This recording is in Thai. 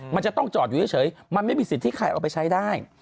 มันจะต้องจอดอยู่เฉยมันไม่มีสิทธิ์ที่ใครเอาไปใช้ได้